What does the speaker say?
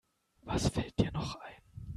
Was fällt dir noch ein?